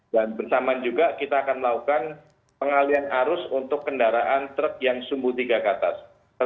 dan bersamaan juga kita akan melakukan pengalian arus untuk kendaraan truk yang sumbu tiga ke atas